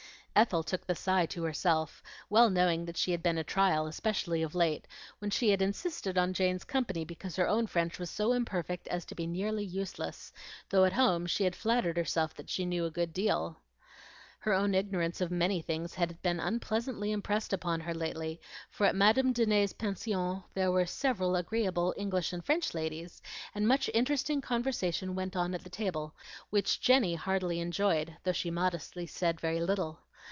Ethel took the sigh to herself, well knowing that she had been a trial, especially of late, when she had insisted on Jane's company because her own French was so imperfect as to be nearly useless, though at home she had flattered herself that she knew a good deal. Her own ignorance of many things had been unpleasantly impressed upon her lately, for at Madame Dene's Pension there were several agreeable English and French ladies, and much interesting conversation went on at the table, which Jenny heartily enjoyed, though she modestly said very little.